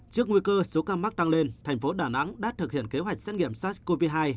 trước nguy cơ số ca mắc tăng lên thành phố đà nẵng đã thực hiện kế hoạch xét nghiệm sars cov hai